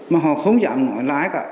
mà họ không dám nói là ai cả